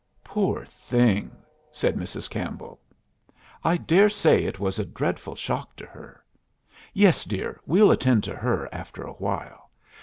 "Poor thing!" said Mrs. Campbell. "I dare say it was a dreadful shock to her. Yes, dear, we'll attend to her after a while.